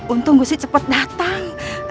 untung gusti cepet datang